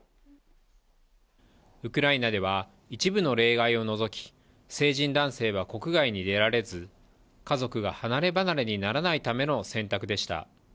ウクライナでは一部の例外を除き、成人男性は国外に出られず、家族が離れ離れにならないための選択でした。